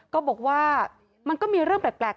ก็บอกว่ามันก็มีเรื่องแปลก